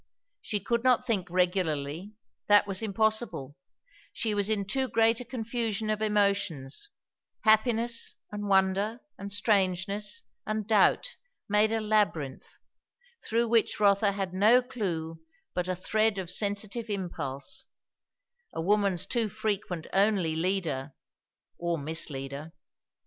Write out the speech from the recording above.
She could not think regularly; that was impossible; she was in too great a confusion of emotions; happiness and wonder and strangeness and doubt made a labyrinth; through which Rotha had no clue but a thread of sensitive impulse; a woman's too frequent only leader, or misleader.